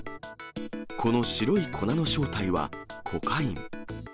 この白い粉の正体はコカイン。